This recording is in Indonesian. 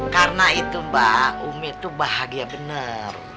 karena itu mbak umi tuh bahagia bener